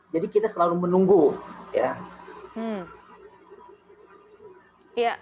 jadi kita selalu menunggu ya